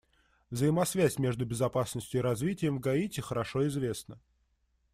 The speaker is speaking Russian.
Взаимосвязь между безопасностью и развитием в Гаити хорошо известна.